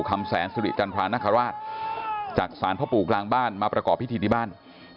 คำแสนสุริจันทรานคราชจากศาลพ่อปู่กลางบ้านมาประกอบพิธีที่บ้าน